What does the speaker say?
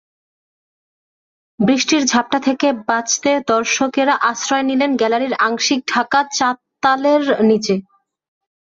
বৃষ্টির ঝাপটা থেকে বাঁচতে দর্শকেরা আশ্রয় নিলেন গ্যালারির আংশিক ঢাকা চাতালের নিচে।